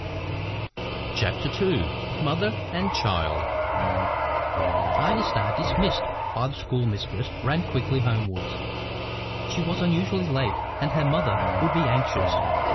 CHAPTER II MOTHER AND CHILD Ida Starr, dismissed by the schoolmistress, ran quickly homewards. She was unusually late, and her mother would be anxious.